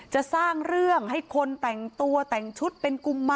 จะสร้างเรื่องให้คนแต่งตัวแต่งชุดเป็นกุมา